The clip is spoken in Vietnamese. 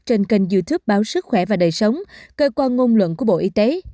trên kênh youtube báo sức khỏe và đời sống cơ quan ngôn luận của bộ y tế